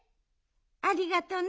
ありがとね。